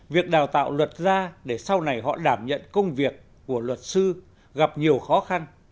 việc đào tạo luật ra để sau này họ đảm nhận công việc của luật sư gặp nhiều khó khăn